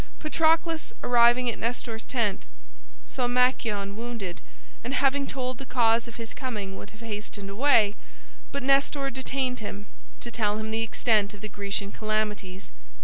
Patroclus, arriving at Nestor's tent, saw Machaon wounded, and having told the cause of his coming would have hastened away, but Nestor detained him, to tell him the extent of the Grecian calamities.